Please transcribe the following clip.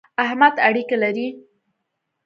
احمد اړېکی لري.